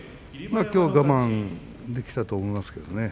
きょうは我慢できたと思いますけれどもね。